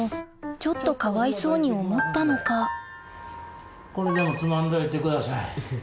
ちょっとかわいそうに思ったのかこれでもつまんどいてください。